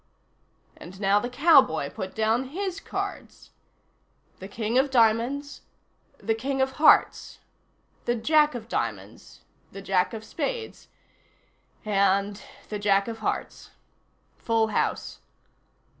And now the cowboy put down his cards. The King of diamonds. The King of hearts. The Jack of diamonds. The Jack of spades. And the Jack of hearts. Full house.